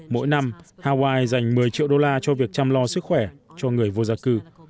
mỗi năm hawaii dành một mươi triệu đô la cho việc chăm lo sức khỏe cho người vô gia cư